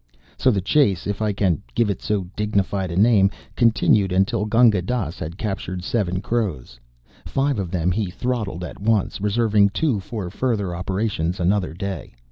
So the chase if I can give it so dignified a name continued until Gunga Dass had captured seven crows. Five of them he throttled at once, reserving two for further operations another day.